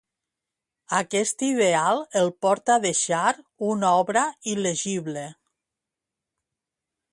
Aquest ideal el portà a deixar una obra “il·legible”.